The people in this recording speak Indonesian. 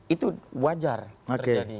itu wajar terjadi